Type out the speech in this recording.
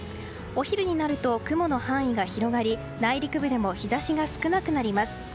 お昼になると雲の範囲が広がり内陸部でも日差しが少なくなります。